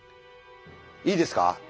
いいですか。